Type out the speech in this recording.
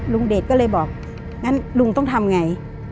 เดชก็เลยบอกงั้นลุงต้องทำไง